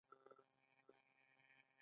دوهم شاه عالم درېم ځل حمله وکړه.